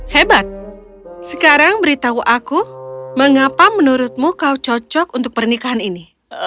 hebat sekarang beritahu aku mengapa menurutmu kau cocok untuk pernikahan ini